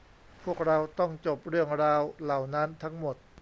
พวกเราต้องจบเรื่องราวเหล่านั้นทั้งหมด